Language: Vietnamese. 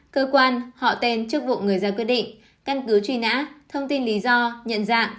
cơ quan họ tên chức vụ người ra quyết định căn cứ truy nã thông tin lý do nhận dạng